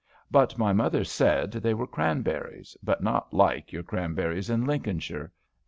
But my mother said they were cranberries, but not like your cranberries in Lincolnshire.